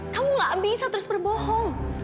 kamu gak bisa terus berbohong